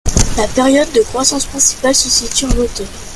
La période de croissance principale se situe en automne.